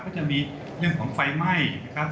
ก็จะมีเรื่องของไฟไหม้นะครับ